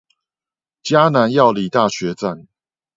嘉南藥理大學站